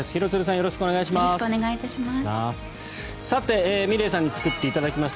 よろしくお願いします。